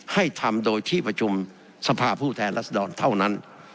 ให้ทำโดยที่ประชุมสภาผู้แทนรัศดรเท่านั้น